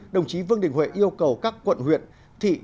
đồng chí vương đình huệ yêu cầu các quận huyện thị